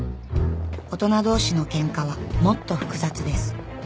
大人同士のケンカはもっと複雑です